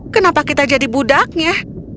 kenapa kita jadi budaknya